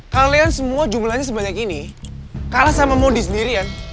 kalian semua jumlahnya sebanyak ini kalah sama mondi sendiri ya